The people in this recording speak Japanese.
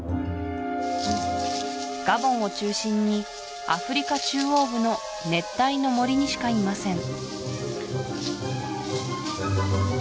ガボンを中心にアフリカ中央部の熱帯の森にしかいません